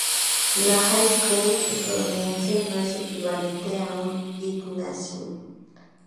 La "High School" estadounidense no es equivalente a un "Gymnasium".